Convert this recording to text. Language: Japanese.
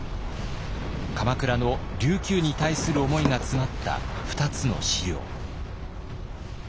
鎌倉の琉球に対する思いが詰まった２つの資料。